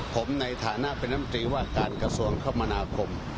ผมในฐานะเป็นน้ำตรีว่าการกระทรวงคมนาคม